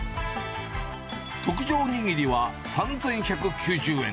特上にぎりは３１９０円。